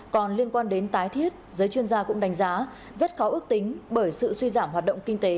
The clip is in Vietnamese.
còn liên quan đến tái thiết giới chuyên gia cũng đánh giá rất khó ước tính bởi sự suy giảm hoạt động kinh tế